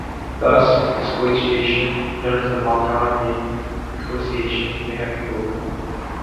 Thus, this glaciation, known as the Makganyene glaciation, may have been global.